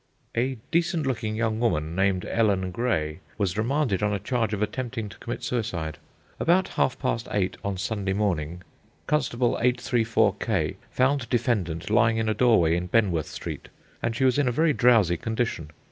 A decent looking young woman, named Ellen Gray, was remanded on a charge of attempting to commit suicide. About half past eight on Sunday morning Constable 834 K found defendant lying in a doorway in Benworth Street, and she was in a very drowsy condition.